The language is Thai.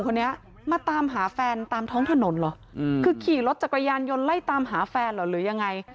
กล้าขี่รถจากกระยานยนต์ไล่ตามหาแฟนหรือยังไง